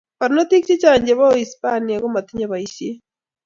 Barnotik chechang chebo uhispania komotinye boisiet